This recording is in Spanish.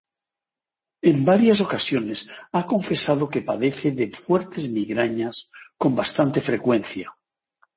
En varias ocasiones ha confesado que padece de fuertes migrañas con bastante frecuencia.